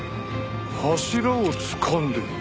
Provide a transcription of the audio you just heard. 柱をつかんでる？